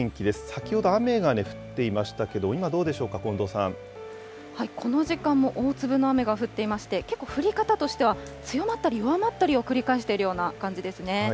先ほど雨が降っていましたけど、今どうでしょうか、この時間も大粒の雨が降っていまして、結構、降り方としては強まったり弱まったりを繰り返しているような感じですね。